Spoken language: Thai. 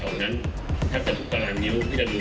วันนี้โทรคักทั้งหมดอยู่ที่ตัวเด็ก